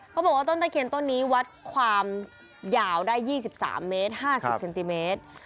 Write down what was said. บอกว่าต้นตะเคียนต้นนี้วัดความยาวได้๒๓เมตร๕๐เซนติเมตร